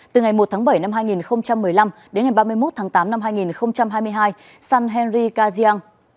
từ ngày một tháng bảy năm hai nghìn một mươi năm đến ngày ba mươi một tháng tám năm hai nghìn hai mươi hai san henry kajian